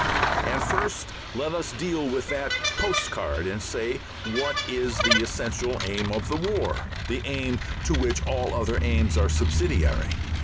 And first, let us deal with that postcard and say what is the essential aim of the war, the aim to which all other aims are subsidiary.